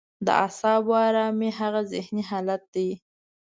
د اعصابو ارامي هغه ذهني حالت دی.